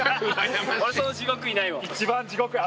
俺その地獄いないもん。